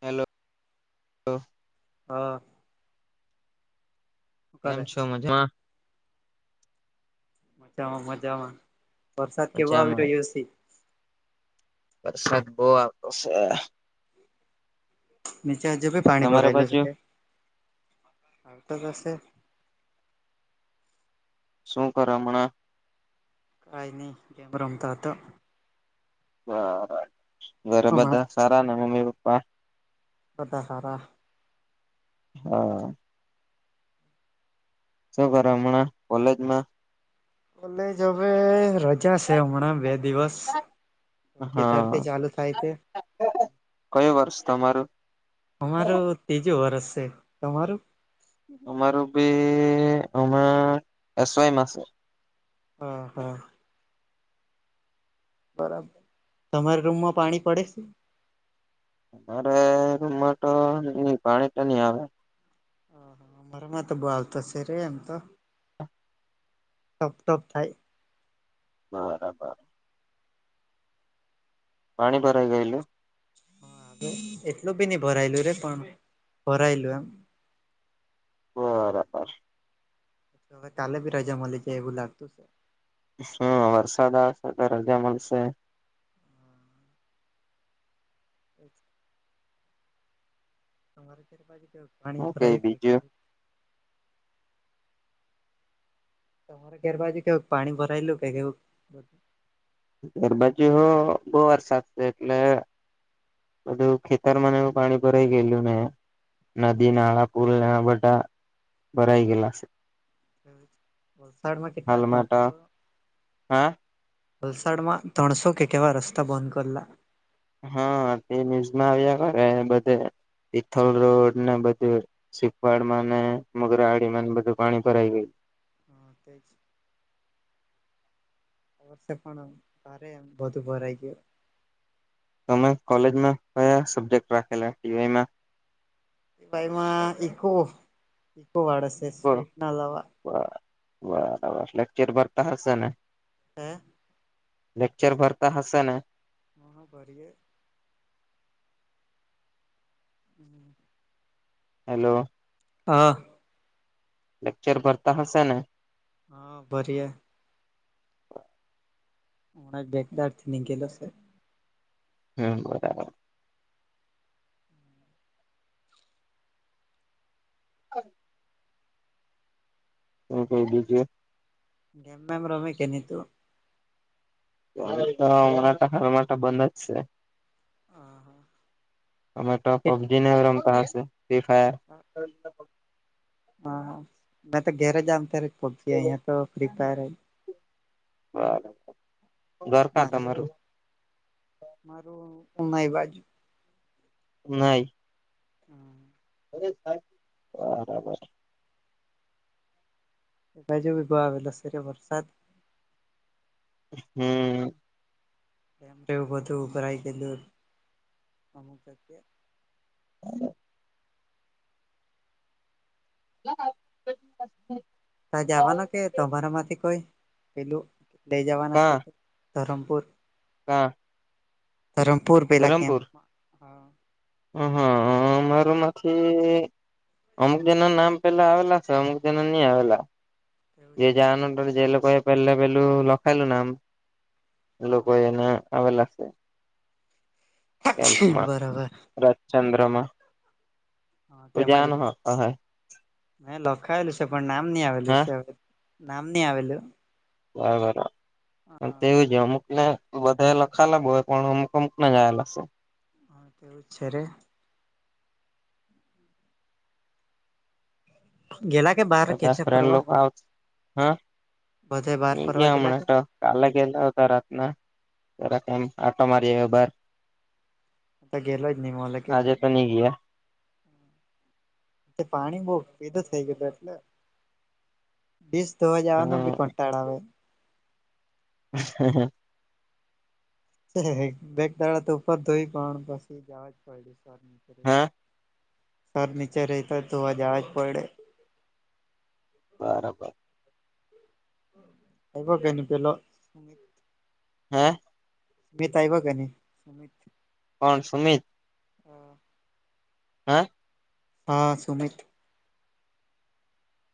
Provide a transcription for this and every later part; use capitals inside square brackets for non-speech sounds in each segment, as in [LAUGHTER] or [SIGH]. Hello, લો. હા. શું કેમ કરે છો મજામાં? મજામાં મજામાં વરસાદ કેવો આવી મજામાં રહ્યો છે, વરસાદ બો આવતો છે નીચે હજુ ભી પાણી તમારા ભરાયલું છે બાજુ કે આવતો ત શે શું કરે હમણાં કાંઈ ની ગેમ રમતા હતા બર ઘરે હમણાં બધા સારા મમ્મી પપ્પા હતા હારા હા શું કરે હમણાં કોલેજમાં કોલેજ અવે ર ચા છે હમણાં બે દિવસ હા કેદારથી ચાલુ થાય તે કયું વર્ષ તમારું અમારું ત્રીજું વર્ષ છે, તમારું? અમારુ ભી અમે એસ વાય મા સે હા, હા. બરા તમારા રૂમમાં પાણી પડે છે મારે રૂમમાં તો ની પાણી તો ની આવે હા હા અમારા માં ત બો આવતો સે રે એમ તો ટપ ટપ થાય બરાબર, પાણી ભરાઈ ગયેલું એટલું ભી ની ભરાયેલું રે પણ ભરાયેલું એમ બરાબર હવે કાલે બિ રજા મલી જાય એવું લાગતું છે હમ વરસાદ આવશે તો રજા મળશે [INAUDIBLE] [INAUDIBLE] પાણી હું કઈ ભરાયું કે બીજું તમારે ઘેર બાજુ કેવુંક પાણી ભરાયેલું કે કેવું ઘેરબાજુ હો બો વરસાદ છે એટલે બધું ખેતરમાં નેવું પાણી ભરાઈ ગયેલું ને નદી નાળા પુલ નેવા બધા ભરાઈ ગેલા છે [INAUDIBLE] વલસાડમાં કેટલા હાલમાં તો ત્રણસો હા વલસાડમાં ત્રણસો કે કેવા રસ્તા બંધ કરલા હા તે ન્યુઝમાં આવ્યા બધે તિથલ રોડ ને બધું સીખવાડ માં ને મોગરાહડી બધું પાણી ભરાઈ ગયું તે જ આ વર્ષ પણ આમ ભારે આમ બધું ભરાઈ ગયું અમે કોલેજમાં કયા સબ્જેક્ટ રાખેલા ટી વાય માં ટી વાયમાં ઇકો ઇકો વાળાશે સ્ટેટ ના અલાવા બ બરાબર લેક્ચર ભરતા હશેને હે લેક્ચર ભરતા હશેને હા હા ભરીયે હમ હેલો હા લેક્ચર ભરતા હશે ને હા ભરીએ અમના બેક દાડથી ની ગેલો સે હમ બરા [UNINTELLIGIBLE] હું કે બીજું ગેમ મેમ રમે કે ની તું? તોરાટ હમણાં તો બન જ છેે હા હા તમે તો પબજી ને રમતા હશે ફ્રી ફાયર હા મેં તો ઘરે જામ ત્યારે પબજી તો ફ્રી ફાયર હૈ. બરાબર ઘરકા મારા તમારું? મારું ઉનાઈ બાજુ. ઉનાઈ હમ બરાબર એ બાજ ગવા આવેસે રે વરસાત હમ તેવું બધું ભરાય કે દુંર [UNINTELLIGIBLE] [UNINTELLIGIBLE] ત જવાનો કે તમારા માંથી કોઈ પેલું લઈ જવાના કા છે ધરમપુર કા? ધરમપુર પેલા કેમ્પ ધરમપુર હ હા મારોમાંથી અમુક જે ના નામ પેલા આવેલા છે અમુક જેના નહી આવેલા એવું જ જે રે જાનુંટર જે લોકો એ પહેલે પેલું લખેલું નામ એલોકો હા એને આવે લાગશે કેમ્પમાં બરાબર રાજચંદ્રમાં હા તું તેમાંજ જવાનો રે હ હા મે લખાયેલું છે પણ નામ નહી આવેલું છે હવે નામ ની આવેલું બરાબર તેવું છે અમુક ને બધા લખાલા બ હોય પણ અમુક અમુક જ આવેલા શે હ તેવું જ છે રે ગેલા કે બા બધા ફ્રેન્ડ લોકો આવ હા બધે બહાર ની ફરવા ગયા ગેલા હમણા તો. કાલે કેતા હતા રાતના જરાક એમ આટો મારી આવ્યે બાર. ઉત ગેલો જ ની માલે કેતે આજે તો નહી ગયા એ પાણી બો પેદો થઈ ગયું એટલે ડીશ ધોવા જવાનું ભી હમ કંટાળો આવે [UNINTELLIGIBLE] બેગદાળાત ઉપર ધોહી પાણ પસી જજ પડી હા સર નીચે રહે તા તો ધોવા જાવાજ પડે બરાબર ખબ કે ની પેલો [UNINTELLIGIBLE] હે મીત આવ્યો કે ની કોણ સુમિત હા હા હા સુમિત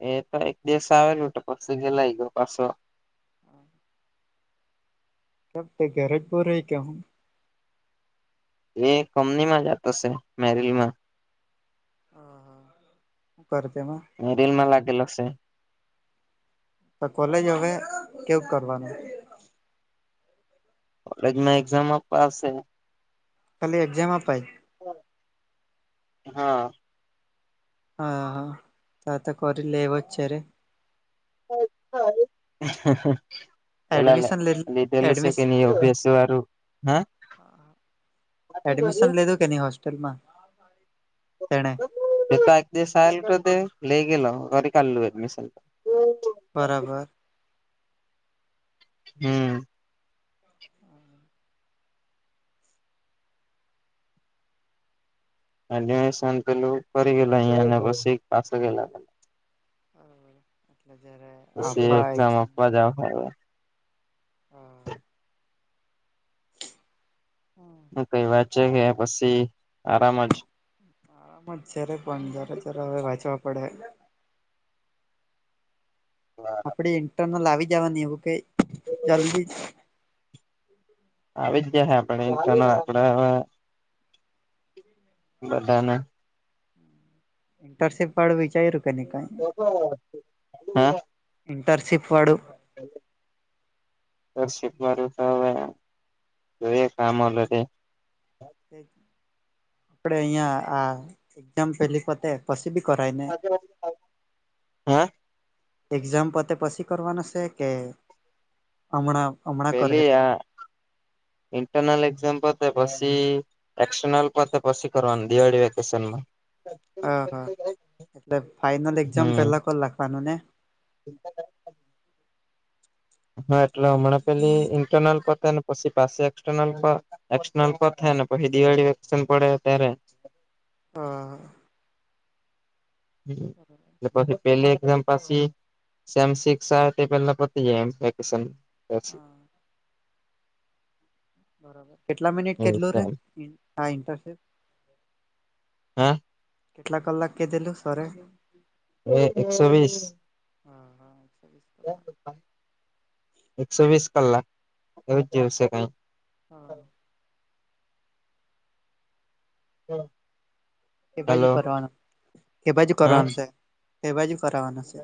એ તો એક દિવસ આવેલો ઉટ પસ ગેલાય ગો પાસો હા સબ તે ધેરે જ બો રેય કે હું. એ કપની માં જતો છે મેરીલમાં. હા હા હું કરો તમે. મેરીલ માં લાગેલો સે. તો કોલેજ હવે કેવું કરવાનું. કોલેજ માં એક્ઝામ આપવા આવશે. ખાલી એક્ઝામ આપવા જ હા. હા હા તાતા કોરી લે એવો છે રે હા તો અવે એલા લ એડમિશન લે લીધેલું એડમિશ શકે ની અભ્યાસ વારું હા હા. વાપી રે કેની હોસ્ટેલમાં એ તો એક દિવસ આલ તો તે લઈ ગેલો કરી કાઢલું એડમિશન. બરાબર. હમમ. અને એડમીશન સાઇન કરી પડી રેઈલા અહીંયાને બસ પાછા ગેલા. હા એટલે જયારે પછી એક્ઝામ આપવા જાવા પડે. હા. હમમ. હું કઈ વાત છે કે પછી આરામ જ આરમ જ છે રે પણ જરા જરા હવે વાંચવા પડે. હા. આપણી ઇન્ટરનલ આવી જવાની એવું કેય જલ્દી આવી જ જશે આપણે પણ આપણે બધાને ઇન્ટરશીપ વાળું વિચાર્યું? કે નહી કઈ હમમ. ઇન્ટરનશિપ વાળું [INAUDIBLE] ઇન્ટરશીપ વાળું તો જોઈએ કા મળે તે. તે આપણે અહિયાં આ એકઝામ પેલી પતે પસી બી કરાયને? હા એક્ઝામ પતે પછી કરવાનું છે કે અમણા અમ પેલી આ [INAUDIBLE] ઇન્ટરનલ એક્ઝામ પતે પસી એક્સટનલ પતે પછી કરવાનું દિવાળી વેકેશનમાં. હમ હા, હા એટલે ફાઈનલ એક્ઝામ પેલા કરી નાખવાનું ને? [INAUDIBLE] હા એટલે હમણાં પેલી ઇન્ટરનલ પતે પસી પાછી એક્સટનર્લ માં એકસટનલ પતહે ને પછી દિવાળી વેકેશન પડહે ત્યારે. હા. હમમ. બરાબર. ને પછી પેલી એક્ઝામ પાસી સેમ સીકસ આવે તે પેલા પતી જાય એમ વેકેશન. પછી બરાબર કેટલા મિનિટ એવું કેટલું છે રે એમ આ ઇન્ટરશીપ? હા કેટલા કલાક કીધેલું સરે? એકસો વીસ. [INAUDIBLE] એકસો વીસ કલાક એવુંજ જેવું સે કઈ. હા. હમ કે બાજુ કરવાનું કે બાજુ હા કરવાનું છે કે બાજુ કરવાનાં છે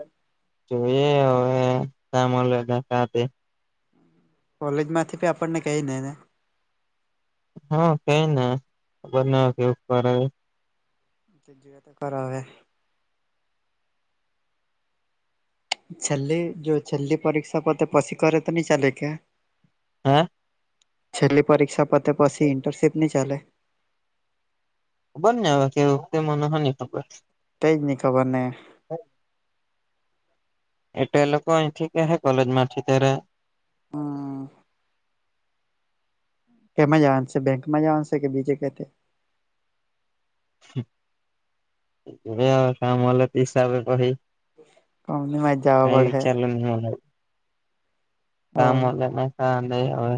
જોઈએ હવે જા મલે [INAUDIBLE] કોલેજ માંથી બી આપણને કેય દે ને? હા, કેય ને ખબર ની હવે કેવુંક કરે [INAUDIBLE] કરાવે છેલ્લી જો છેલ્લી પરીક્ષા પતે પછી કરે તો ની ચાલે કે? હા. છેલ્લી પરીક્ષા પતે પછી ઇન્ટરશિપ ની ચાલે? ખબર ની અવે કેવુંક તે મને હો ની ખબર. તે જ ની ખબર ને એટલે એ લોકો અહીંથી કેહે કોલેજમાંથી ત્યારે હમ. કેમાં જવાનું શે બેંકમાં જવાનું છે કે બીજે કેથે? જોયે હવે કા મળે તે હિસાબે પહી કંપનીમાં જ જવા કાંઈ પડહે વીચારેલું ની મળે. કા હ મળે ને કા ની અવે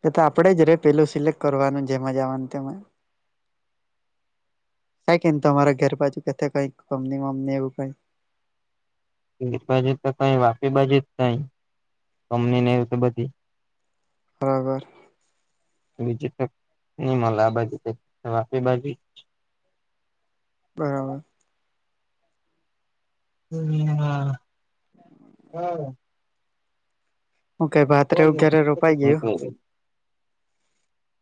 તે તો આપડે જ રે પેલું સિલેક્ટ કરવાનું જેમાં જાવાનું તેમાં છે કે ની તમારા ઘેર બાજુ કેથે કંઈક કંપની બમણી એવુ કંઈક [UNINTELLIGIBLE] બરાબર. બીજું તો ની મળે આ બાજુ ત વાપી બાજુ જ બરાબર. હમ હા. હું કેય ભાતરે રોપાઈ ગયો?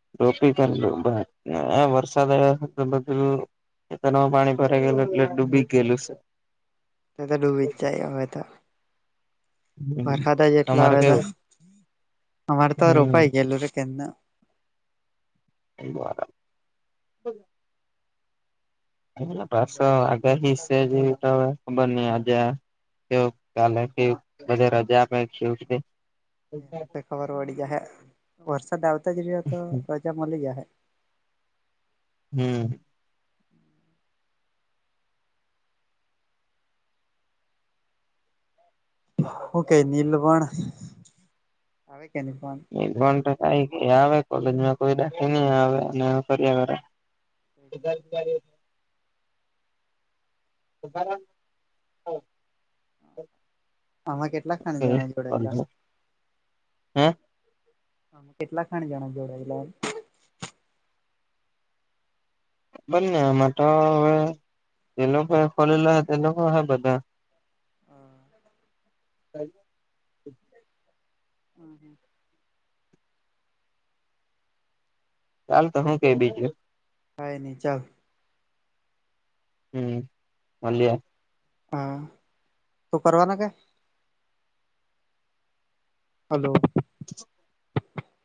[UNINTELLIGIBLE] ખેતરમાં પાણી ભરાઈ ગયેલું એટલે ડૂબી ગયલું છે. તે ત ડૂબી જ જાય અવે ત હમ્મ વરખાદા જેટલા તમારે આવે ત કેવું અમારે તો રોપાઈ હમ્મ ગયેલું કેયાનુ. [INAUDIBLE] પાછા આગાહિ શે જેવી તો હવે ખબર નઈ આજે [UNINTELLIGIBLE] જા આપે કેવુક તે તો ખબર પડી જાય હે વરસાદ આવતા જ રહ હો તો રજા મળી જાય હે. હમ. હું કેય દિલવણ આવે કે ની ફોન એ પણ તો કઈ આવે કોલેજમાં કોઈ દખી નહી આવે અને કર્યા કરે. [UNINTELLIGIBLE] આમાં કેટલા ખાણી જણા જોડાયેલા [UNINTELLIGIBLE] હમ. આમ કેટલા ખણ જણા જોડાયેલા? [UNINTELLIGIBLE] [INAUDIBLE] હમ હમ ચાલ તો હું કઈ બીજું? કઇ નહી ચાલ. હમ્મ હા તુ કરવાના કે? હલો- -